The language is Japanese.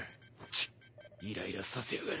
チッイライラさせやがる。